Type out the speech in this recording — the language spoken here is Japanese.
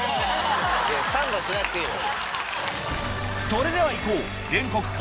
それでは行こう！